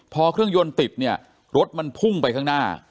พอเครื่องยนต์ติดเนี่ยรถมันพุ่งไปข้างหน้า